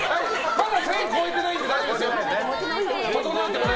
まだ線越えてないんで大丈夫ですよ。